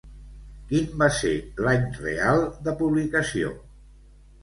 Quin va ser l'any real de publicació?